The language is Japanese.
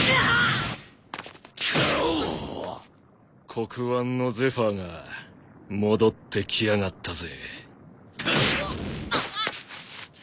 黒腕のゼファーが戻ってきやがったぜ。